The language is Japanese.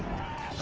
あ！